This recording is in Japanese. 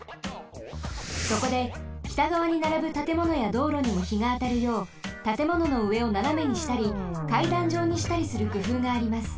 そこで北がわにならぶたてものやどうろにもひがあたるようたてもののうえをななめにしたりかいだんじょうにしたりするくふうがあります。